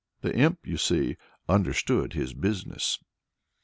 The imp, you see, understood his business."